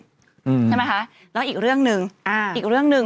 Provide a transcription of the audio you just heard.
ใช่ไหมคะแล้วอีกเรื่องนึง